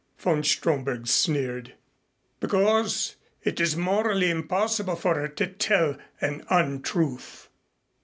Von Stromberg sneered. "Because it is morally impossible for her to tell an untruth."